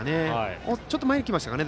ちょっと前に来ましたかね